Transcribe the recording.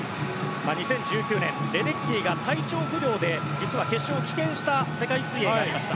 ２０１９年レデッキーが体調不良で棄権した世界水泳がありました。